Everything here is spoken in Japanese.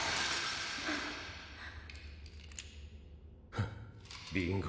フッビンゴ。